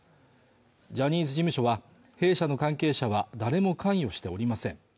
ジャニーズ事務所は弊社の関係者は誰も関与しておりません